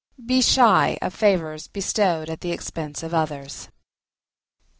Be shy of favours bestowed at the expense of others.